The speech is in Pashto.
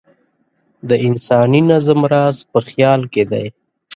د انساني نظم راز په خیال کې دی.